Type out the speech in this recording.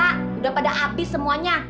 gak udah pada habis semuanya